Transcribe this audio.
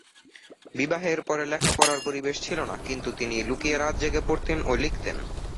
বিবাহের পরে লেখাপড়ার পরিবেশ ছিলনা কিন্তু তিনি লুকিয়ে রাত জেগে পড়তেন ও লিখতেন।